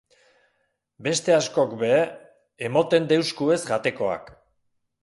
Beste askok be emoten deuskuez jatekoak.